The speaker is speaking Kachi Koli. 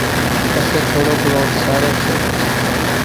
پسي ٿوڙوڪ لوٽ ساري سي،